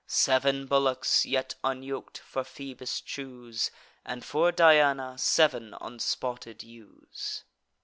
Sev'n bullocks, yet unyok'd, for Phoebus choose, And for Diana sev'n unspotted ewes."